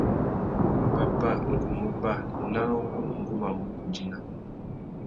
Pápá, ngu mú uba ; nán wu ngu mà mù wundzéna.